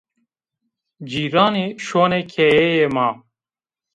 Cîranî şonê keyeyê ma.